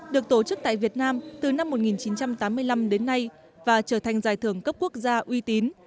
được tổ chức tại việt nam từ năm một nghìn chín trăm tám mươi năm đến nay và trở thành giải thưởng cấp quốc gia uy tín